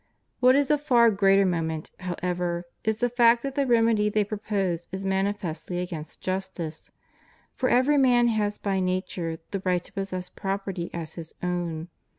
What is of far greater moment, however, is the fact that ^ the remedy they propose is manifestly against justice. For T every man has by nature the right to possess property as his own.